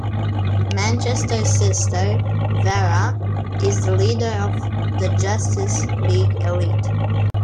Manchester's sister Vera is the leader of the "Justice League Elite".